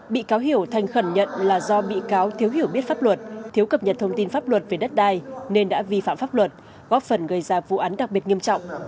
bị cáo hiểu thành khẩn nhận là do bị cáo thiếu hiểu biết pháp luật thiếu cập nhật thông tin pháp luật về đất đai nên đã vi phạm pháp luật góp phần gây ra vụ án đặc biệt nghiêm trọng